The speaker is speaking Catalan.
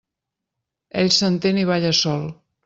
Ell s'entén i balla sol.